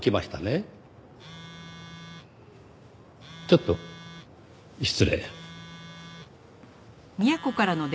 ちょっと失礼。